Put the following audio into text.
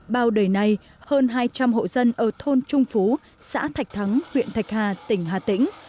bao đời này hơn hai trăm linh hộ dân ở thôn trung phú xã thạch thắng huyện thạch hà tỉnh hà tĩnh